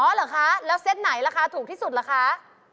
เหรอคะแล้วเซตไหนราคาถูกที่สุดล่ะคะ